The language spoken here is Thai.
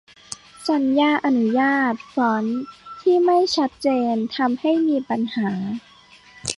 สัญญาอนุญาต ฟอนต์ ที่ไม่ชัดเจน ทำให้มีปัญหา